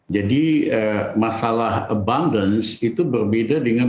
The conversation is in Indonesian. jadi masalah abundance itu berbeda dengan